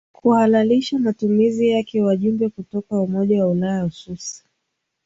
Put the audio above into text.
kuhalalisha matumizi yakeWajumbe kutoka Umoja wa Ulaya Uswisi